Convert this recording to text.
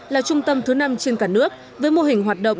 là trung tâm thứ năm trung tâm